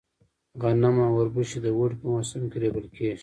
غنم او اوربشې د اوړي په موسم کې رېبل کيږي.